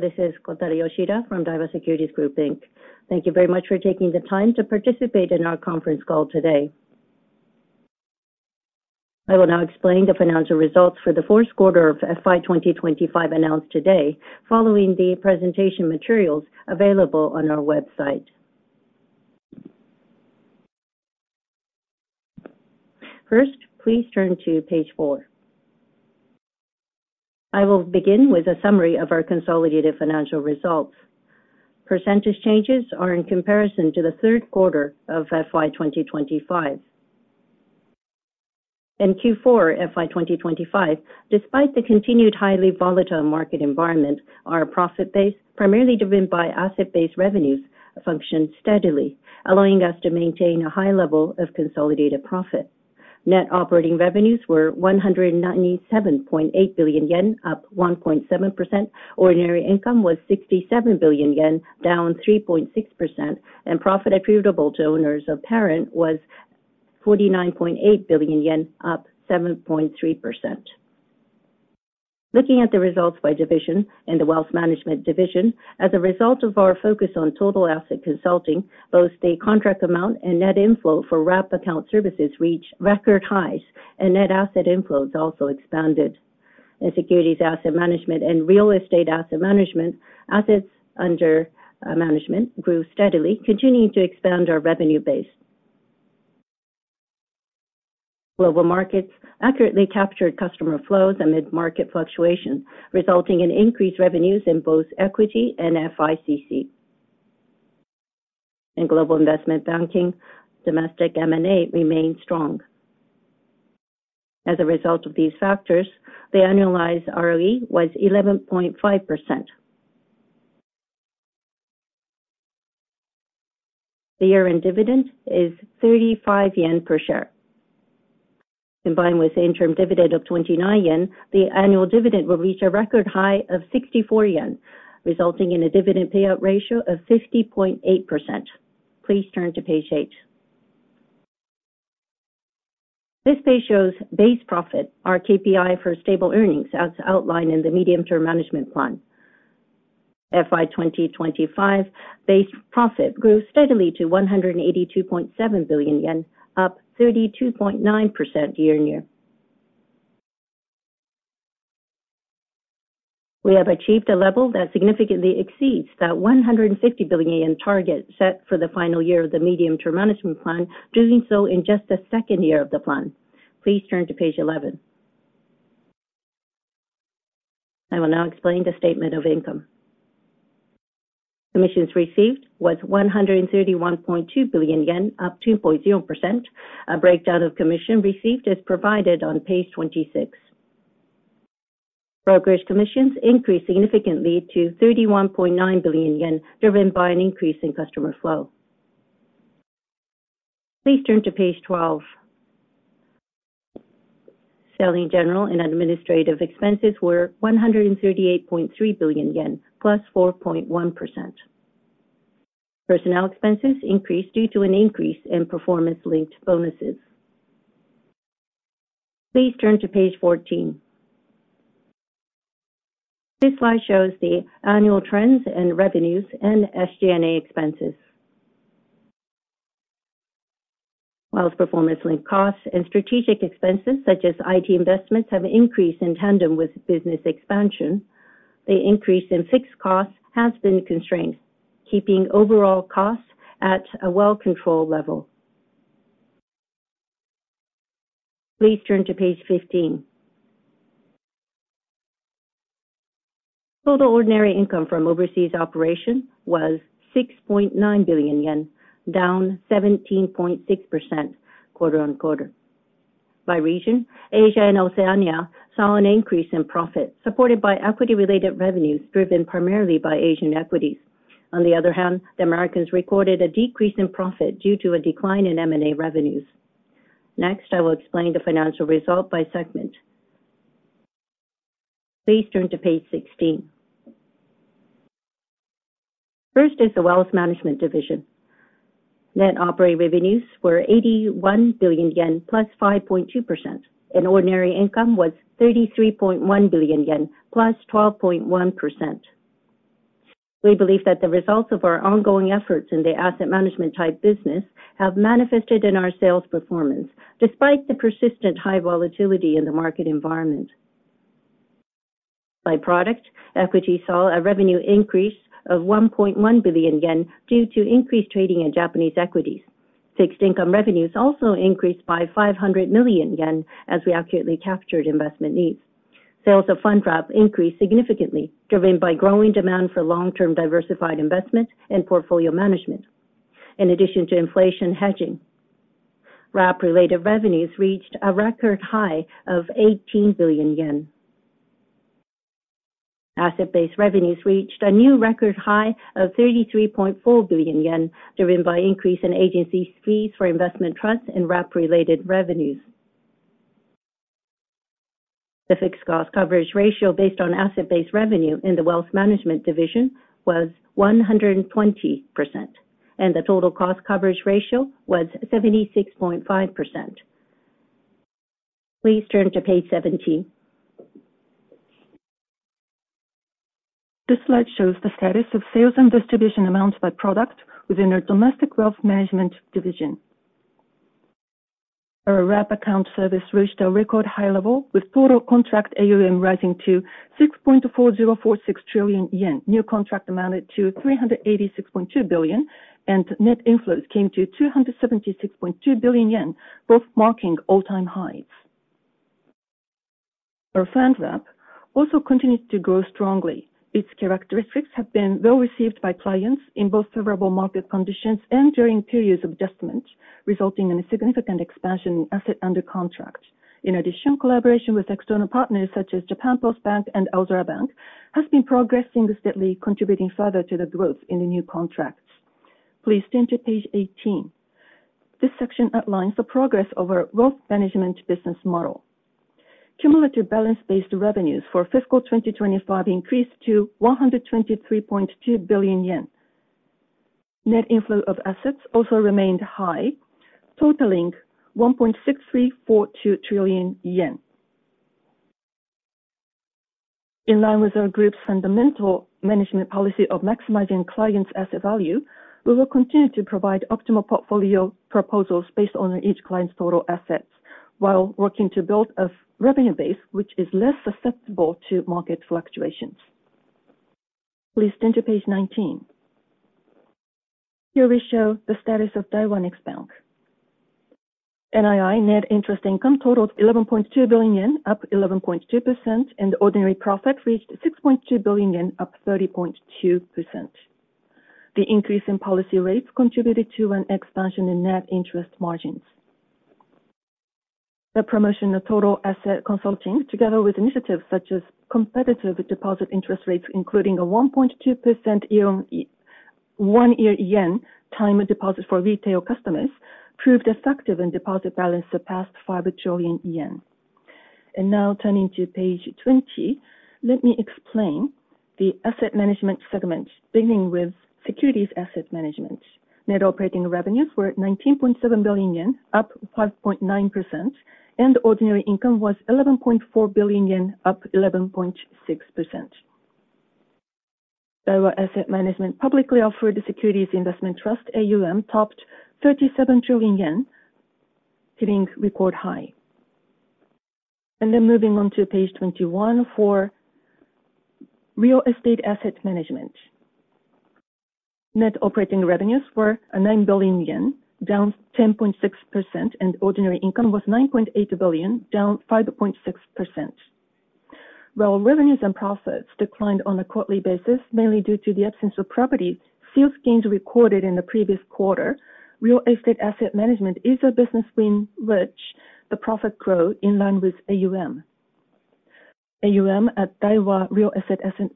This is Kotaro Yoshida from Daiwa Securities Group, Inc. Thank you very much for taking the time to participate in our conference call today. I will now explain the financial results for the fourth quarter of FY 2025 announced today, following the presentation materials available on our website. First, please turn to page four. I will begin with a summary of our consolidated financial results. Percentage changes are in comparison to the third quarter of FY 2025. In Q4 FY 2025, despite the continued highly volatile market environment, our profit base, primarily driven by asset-based revenues, functioned steadily, allowing us to maintain a high level of consolidated profit. Net operating revenues were 197.8 billion yen, up 1.7%. Ordinary income was 67 billion yen, down 3.6%. Profit attributable to owners of parent was 49.8 billion yen, up 7.3%. Looking at the results by division, in the Wealth Management Division, as a result of our focus on total asset consulting, both the contract amount and net inflow for wrap account services reached record highs, and net asset inflows also expanded. In securities asset management and real estate asset management, assets under management grew steadily, continuing to expand our revenue base. Global markets accurately captured customer flows amid market fluctuation, resulting in increased revenues in both equity and FICC. In Global Investment Banking, domestic M&A remained strong. As a result of these factors, the annualized ROE was 11.5%. The year-end dividend is 35 yen per share. Combined with the interim dividend of 29 yen, the annual dividend will reach a record high of 64 yen, resulting in a dividend payout ratio of 50.8%. Please turn to page eight. This page shows base profit, our KPI for stable earnings, as outlined in the medium-term management plan. FY 2025 base profit grew steadily to 182.7 billion yen, up 32.9% year-on-year. We have achieved a level that significantly exceeds that 150 billion yen target set for the final year of the medium-term management plan, doing so in just the second year of the plan. Please turn to page 11. I will now explain the statement of income. Commissions received was 131.2 billion yen, up 2.0%. A breakdown of commission received is provided on page 26. Brokerage commissions increased significantly to 31.9 billion yen, driven by an increase in customer flow. Please turn to page 12. Selling, general, and administrative expenses were 138.3 billion yen, +4.1%. Personnel expenses increased due to an increase in performance-linked bonuses. Please turn to page 14. This slide shows the annual trends in revenues and SG&A expenses. While performance-linked costs and strategic expenses such as IT investments have increased in tandem with business expansion, the increase in fixed costs has been constrained, keeping overall costs at a well-controlled level. Please turn to page 15. Total ordinary income from overseas operation was 6.9 billion yen, down 17.6% quarter-on-quarter. By region, Asia and Oceania saw an increase in profit, supported by equity-related revenues driven primarily by Asian equities. On the other hand, the Americas recorded a decrease in profit due to a decline in M&A revenues. I will explain the financial result by segment. Please turn to page 16. First is the Wealth Management Division. Net operating revenues were 81 billion yen, +5.2%, and ordinary income was 33.1 billion yen, +12.1%. We believe that the results of our ongoing efforts in the asset management type business have manifested in our sales performance, despite the persistent high volatility in the market environment. By product, equity saw a revenue increase of 1.1 billion yen due to increased trading in Japanese equities. Fixed income revenues also increased by 500 million yen, as we accurately captured investment needs. Sales of Fund Wrap increased significantly, driven by growing demand for long-term diversified investment and portfolio management. In addition to inflation hedging, wrap-related revenues reached a record high of 18 billion yen. Asset-based revenues reached a new record high of 33.4 billion yen, driven by increase in agency fees for investment trusts and wrap-related revenues. The fixed cost coverage ratio based on asset-based revenue in the Wealth Management Division was 120%, and the total coverage ratio was 76.5%. Please turn to page 17. This slide shows the status of sales and distribution amounts by product within our domestic Wealth Management Division. Our wrap account services reached a record high level with total contract AUM rising to 6.4046 trillion yen. New contract amounted to 386.2 billion, net inflows came to 276.2 billion yen, both marking all-time highs. Our Fund Wrap also continued to grow strongly. Its characteristics have been well received by clients in both favorable market conditions and during periods of adjustment, resulting in a significant expansion in asset under contract. In addition, collaboration with external partners such as JAPAN POST BANK and Aozora Bank has been progressing steadily, contributing further to the growth in the new contracts. Please turn to page 18. This section outlines the progress of our growth management business model. Cumulative balance-based revenues for fiscal 2025 increased to 123.2 billion yen. Net inflow of assets also remained high, totaling JPY 1.6342 trillion. In line with our group's fundamental management policy of maximizing clients' asset value, we will continue to provide optimal portfolio proposals based on each client's total assets while working to build a revenue base which is less susceptible to market fluctuations. Please turn to page 19. Here we show the status of Daiwa Next Bank. NII net interest income totaled 11.2 billion yen, up 11.2%, and ordinary profit reached 6.2 billion yen, up 30.2%. The increase in policy rates contributed to an expansion in net interest margins. The promotion of total asset consulting, together with initiatives such as competitive deposit interest rates, including a 1.2% one-year yen time deposit for retail customers, proved effective. Deposit balance surpassed 5 trillion yen. Turning to page 20, let me explain the Asset Management segment, beginning with securities asset management. Net operating revenues were 19.7 billion yen, up 5.9%. Ordinary income was 11.4 billion yen, up 11.6%. Daiwa Asset Management publicly offered the securities investment trust AUM topped 37 trillion yen, hitting record high. Moving on to page 21 for real estate asset management. Net operating revenues were 9 billion yen, down 10.6%. Ordinary income was 9.8 billion, down 5.6%. While revenues and profits declined on a quarterly basis, mainly due to the absence of property sales gains recorded in the previous quarter, real estate asset management is a business stream which the profit grow in line with AUM. AUM at Daiwa Real Estate Asset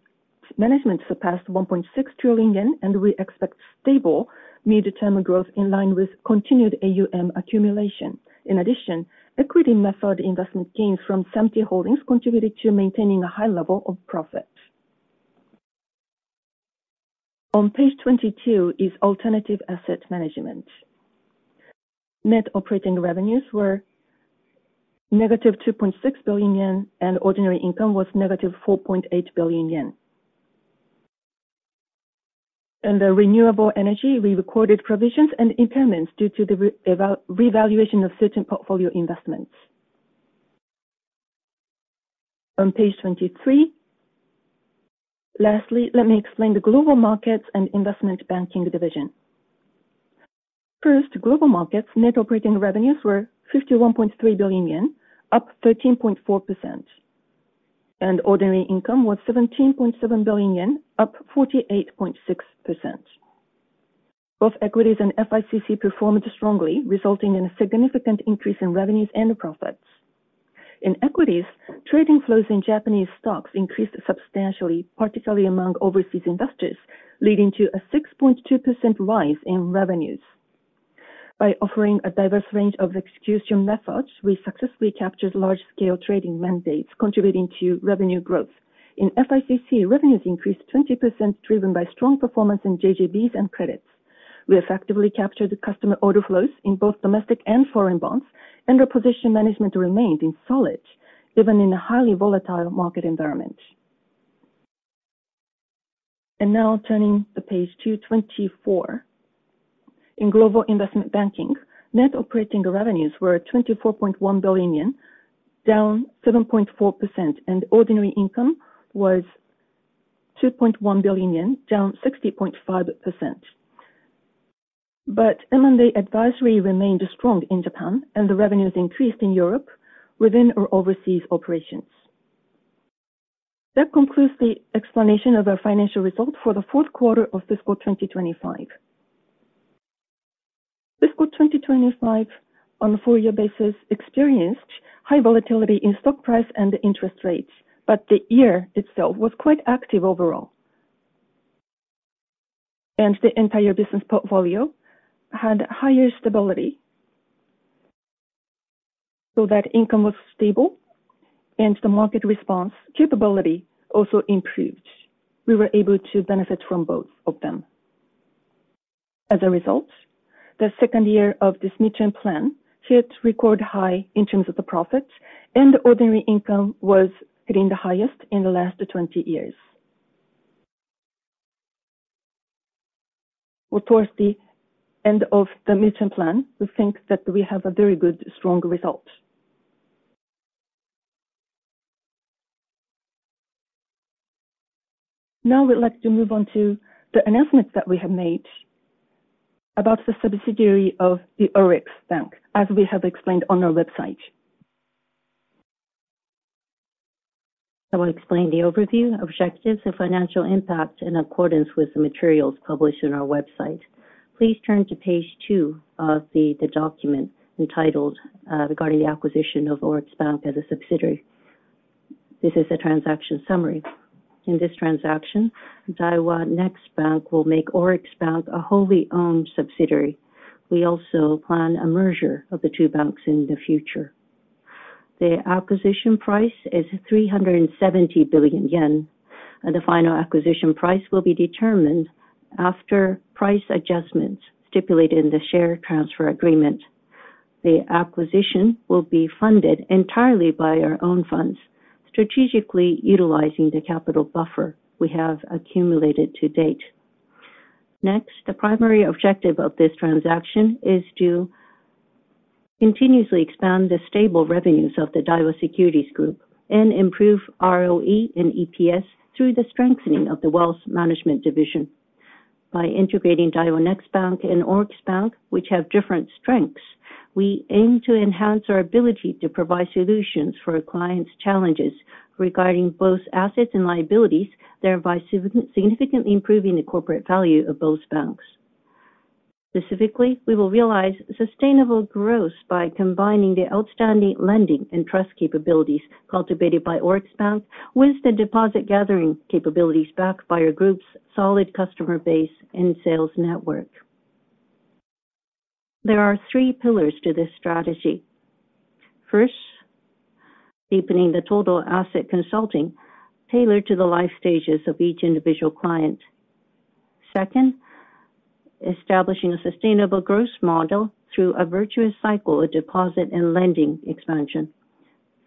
Management surpassed 1.6 trillion yen, and we expect stable mid-term growth in line with continued AUM accumulation. In addition, equity method investment gains from Sompo Holdings contributed to maintaining a high level of profits. On page 22 is alternative asset management. Net operating revenues were negative 2.6 billion yen, and ordinary income was negative 4.8 billion yen. Under renewable energy, we recorded provisions and impairments due to the revaluation of certain portfolio investments. On page 23, lastly, let me explain the Global Markets and Investment Banking Division. First, Global Markets net operating revenues were 51.3 billion yen, up 13.4%, and ordinary income was 17.7 billion yen, up 48.6%. Both equities and FICC performed strongly, resulting in a significant increase in revenues and profits. In equities, trading flows in Japanese stocks increased substantially, particularly among overseas investors, leading to a 6.2% rise in revenues. By offering a diverse range of execution methods, we successfully captured large-scale trading mandates contributing to revenue growth. In FICC, revenues increased 20%, driven by strong performance in JGBs and credits. We effectively captured the customer order flows in both domestic and foreign bonds, and our position management remained in solid, even in a highly volatile market environment. Now turning to page 224. In Global Investment Banking, net operating revenues were 24.1 billion yen, down 7.4%, and ordinary income was JPY 2.1 billion, down 60.5%. M&A advisory remained strong in Japan, and the revenues increased in Europe within our overseas operations. That concludes the explanation of our financial results for the fourth quarter of fiscal 2025. Fiscal 2025, on a full year basis, experienced high volatility in stock price and interest rates, but the year itself was quite active overall, and the entire business portfolio had higher stability, so that income was stable and the market response capability also improved. We were able to benefit from both of them. As a result, the second year of this mid-term plan hit record high in terms of the profits, and ordinary income was hitting the highest in the last 20 years. Towards the end of the mid-term plan, we think that we have a very good, strong result. Now we'd like to move on to the announcement that we have made about the subsidiary of ORIX Bank, as we have explained on our website. I will explain the overview, objectives, and financial impact in accordance with the materials published on our website. Please turn to page two of the document entitled, regarding the acquisition of ORIX Bank as a subsidiary. This is a transaction summary. In this transaction, Daiwa Next Bank will make ORIX Bank a wholly-owned subsidiary. We also plan a merger of the two banks in the future. The acquisition price is 370 billion yen. The final acquisition price will be determined after price adjustments stipulated in the share transfer agreement. The acquisition will be funded entirely by our own funds, strategically utilizing the capital buffer we have accumulated to date. Next, the primary objective of this transaction is to continuously expand the stable revenues of the Daiwa Securities Group and improve ROE and EPS through the strengthening of the Wealth Management Division. By integrating Daiwa Next Bank and ORIX Bank, which have different strengths, we aim to enhance our ability to provide solutions for our clients' challenges regarding both assets and liabilities, thereby significantly improving the corporate value of both banks. Specifically, we will realize sustainable growth by combining the outstanding lending and trust capabilities cultivated by ORIX Bank with the deposit-gathering capabilities backed by our group's solid customer base and sales network. There are three pillars to this strategy. First, deepening the total asset consulting tailored to the life stages of each individual client. Second, establishing a sustainable growth model through a virtuous cycle of deposit and lending expansion.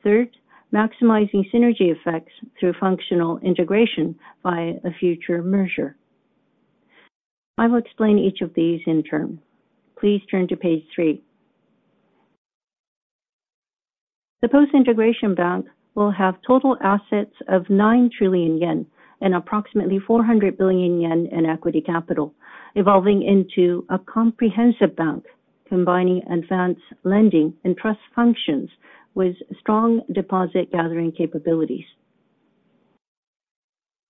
Third, maximizing synergy effects through functional integration via a future merger. I will explain each of these in turn. Please turn to page three. The post-integration bank will have total assets of 9 trillion yen and approximately 400 billion yen in equity capital, evolving into a comprehensive bank, combining advanced lending and trust functions with strong deposit-gathering capabilities.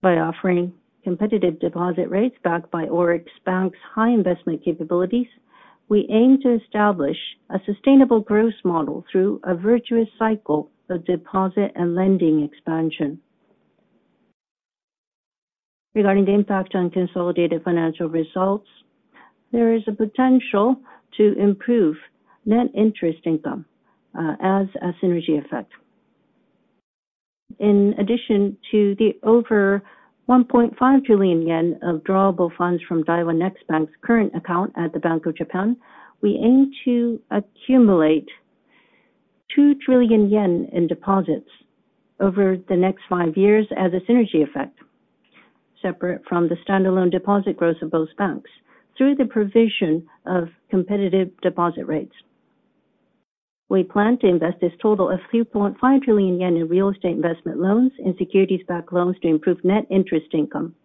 By offering competitive deposit rates backed by ORIX Bank's high investment capabilities, we aim to establish a sustainable growth model through a virtuous cycle of deposit and lending expansion. Regarding the impact on consolidated financial results, there is a potential to improve net interest income as a synergy effect. In addition to the over 1.5 trillion yen of drawable funds from Daiwa Next Bank's current account at the Bank of Japan, we aim to accumulate 2 trillion yen in deposits over the next five years as a synergy effect, separate from the standalone deposit growth of both banks through the provision of competitive deposit rates. We plan to invest this total of 2.5 trillion yen in real estate investment loans and securities-backed loans to improve net interest income.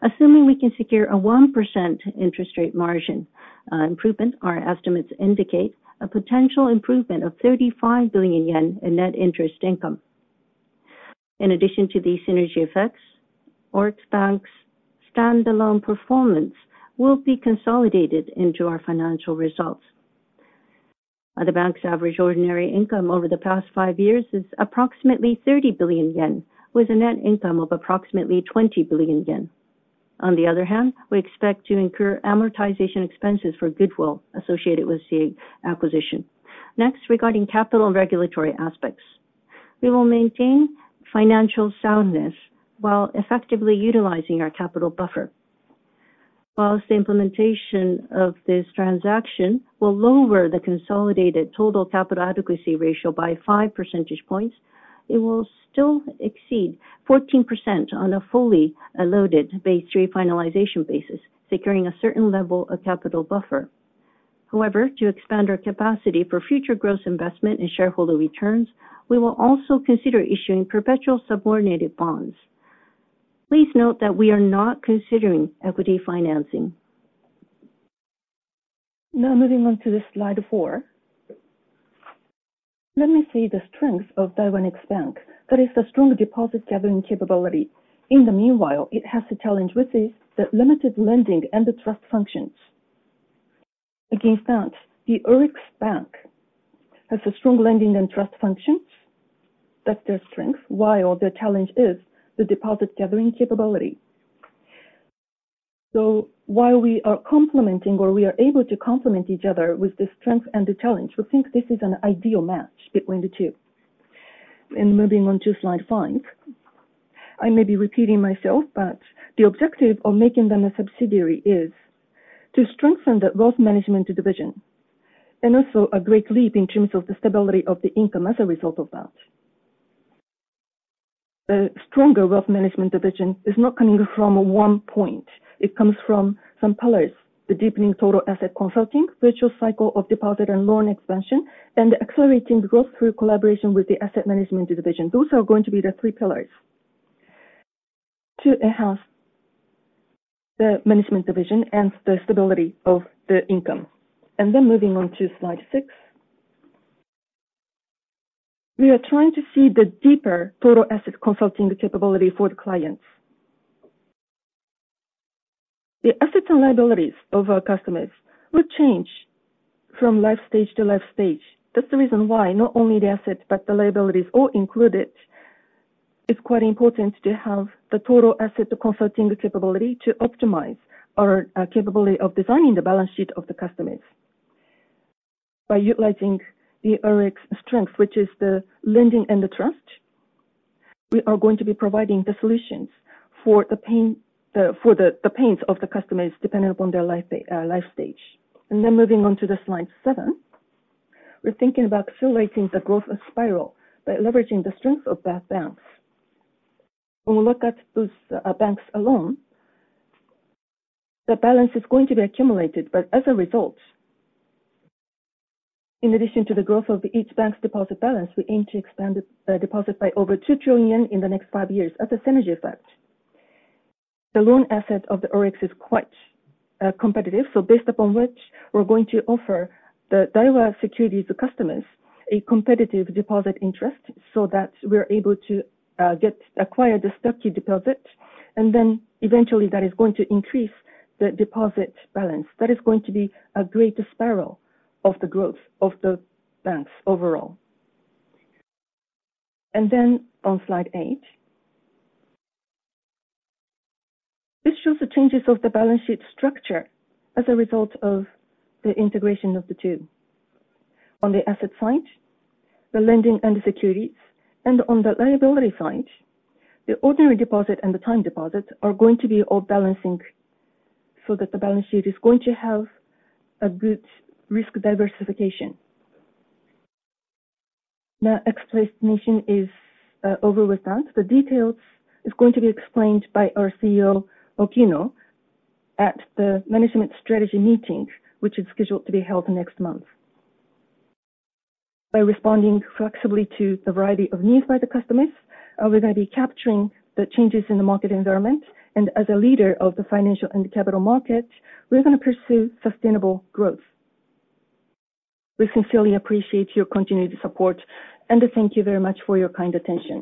Assuming we can secure a 1% interest rate margin improvement, our estimates indicate a potential improvement of 35 billion yen in net interest income. In addition to these synergy effects, ORIX Bank's standalone performance will be consolidated into our financial results. The bank's average ordinary income over the past five years is approximately 30 billion yen, with a net income of approximately 20 billion yen. On the other hand, we expect to incur amortization expenses for goodwill associated with the acquisition. Next, regarding capital and regulatory aspects. We will maintain financial soundness while effectively utilizing our capital buffer. Whilst the implementation of this transaction will lower the consolidated total capital adequacy ratio by five percentage points, it will still exceed 14% on a fully loaded Basel III finalization basis, securing a certain level of capital buffer. However, to expand our capacity for future growth investment and shareholder returns, we will also consider issuing perpetual subordinated bonds. Please note that we are not considering equity financing. Now moving on to slide four. Let me say the strength of Daiwa Next Bank. That is the strong deposit-gathering capability. In the meanwhile, it has a challenge with it, the limited lending and the trust functions. Against that, the ORIX Bank has a strong lending and trust functions. That's their strength. Their challenge is the deposit-gathering capability. While we are complementing, or we are able to complement each other with the strength and the challenge, we think this is an ideal match between the two. Moving on to slide five. I may be repeating myself, but the objective of making them a subsidiary is to strengthen the Wealth Management Division and also a great leap in terms of the stability of the income as a result of that. The stronger Wealth Management Division is not coming from one point. It comes from some pillars, the deepening total asset consulting, virtual cycle of deposit and loan expansion, and accelerating growth through collaboration with the Asset Management Division. Those are going to be the three pillars to enhance the management division and the stability of the income. Moving on to slide six. We are trying to see the deeper total asset consulting capability for the clients. The assets and liabilities of our customers will change from life stage to life stage. That's the reason why not only the assets but the liabilities all included, is quite important to have the total asset consulting capability to optimize our capability of designing the balance sheet of the customers. By utilizing the ORIX strength, which is the lending and the trust, we are going to be providing the solutions for the pains of the customers, depending upon their life stage. Moving on to slide seven. We're thinking about accelerating the growth of spiral by leveraging the strength of both banks. When we look at those banks alone, the balance is going to be accumulated, but as a result, in addition to the growth of each bank's deposit balance, we aim to expand the deposit by over 2 trillion in the next five years as a synergy effect. The loan asset of ORIX is quite competitive, so based upon which we're going to offer the Daiwa Securities customers a competitive deposit interest so that we're able to acquire the stuck deposit, eventually that is going to increase the deposit balance. That is going to be a great spiral of the growth of the banks overall. On slide eight. This shows the changes of the balance sheet structure as a result of the integration of the two. On the asset side, the lending and the securities, and on the liability side, the ordinary deposit and the time deposit are going to be all balancing so that the balance sheet is going to have a good risk diversification. Now explanation is over with that. The details is going to be explained by our CEO, Ogino, at the management strategy meeting, which is scheduled to be held next month. By responding flexibly to the variety of needs by the customers, we're gonna be capturing the changes in the market environment. As a leader of the financial and capital market, we're gonna pursue sustainable growth. We sincerely appreciate your continued support and thank you very much for your kind attention.